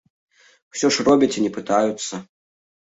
Усё ж робяць і не пытаюцца.